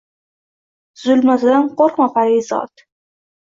zulmatidan qoʼrqma, parizod.